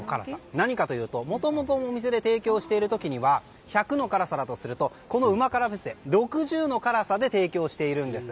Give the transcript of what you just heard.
何かというともともとのお店で提供している時には１００の辛さだとするとこの旨辛ＦＥＳでは６０の辛さで提供しているんです。